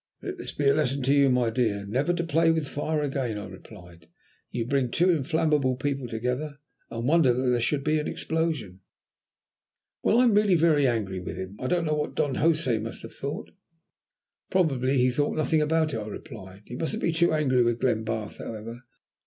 "Let this be a lesson to you, my dear, never to play with fire again," I replied. "You bring two inflammable people together, and wonder that there should be an explosion." "Well, I'm really very angry with him. I don't know what the Don Josè must have thought." "Probably he thought nothing about it," I replied. "You mustn't be too angry with Glenbarth, however.